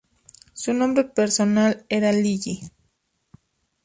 Su nombre personal era Li Yi.